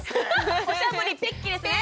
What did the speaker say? おしゃぶりペッ期ですね。